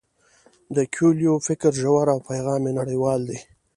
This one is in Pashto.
د کویلیو فکر ژور او پیغام یې نړیوال دی.